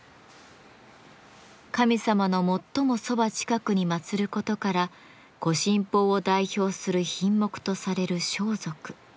神様の最もそば近くにまつることから御神宝を代表する品目とされる装束。